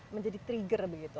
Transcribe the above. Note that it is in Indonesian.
menjadi trigger begitu